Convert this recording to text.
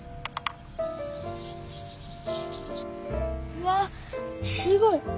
うわっすごい！